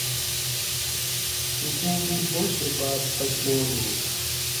تُھوکُو مُو باچہ بار پشمان ہُو